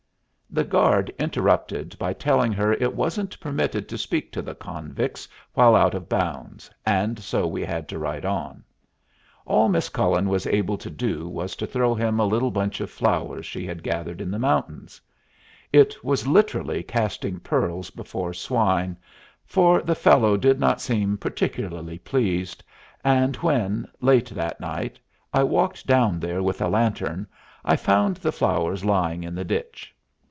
The guard interrupted by telling her it wasn't permitted to speak to the convicts while out of bounds, and so we had to ride on. All Miss Cullen was able to do was to throw him a little bunch of flowers she had gathered in the mountains. It was literally casting pearls before swine, for the fellow did not seem particularly pleased, and when, late that night, I walked down there with a lantern I found the flowers lying in the ditch.